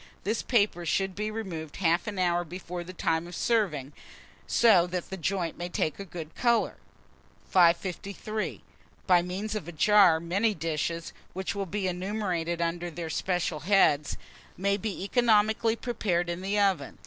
This paper should be removed half an hour before the time of serving dinner, so that the joint may take a good colour. 553. BY MEANS OF A JAR, many dishes, which will be enumerated under their special heads, may be economically prepared in the oven.